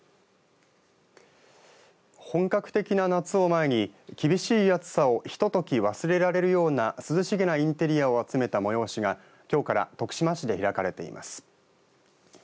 本格的な夏を前に厳しい暑さをひととき忘れられるような涼しげなインテリアを集めた催しがきょうから徳島市で開かれています。